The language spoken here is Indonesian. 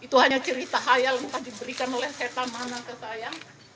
itu hanya cerita khayal yang tadi diberikan oleh saya tamana ke saya